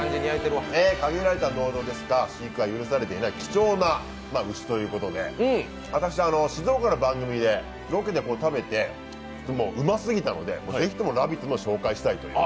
限られた農場でしか飼育が許されていないんですけれども私、静岡の番組で、ロケで食べて、うますぎたので、ぜひとも「ラヴィット！」で紹介したいと。